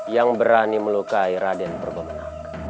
yang berani melukai raden purba benang